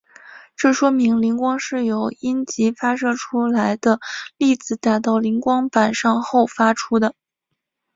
这说明磷光是由阴极发射出来的粒子打到磷光板上后发出的。